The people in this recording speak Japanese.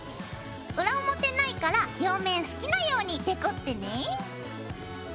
裏表ないから両面好きなようにデコってね。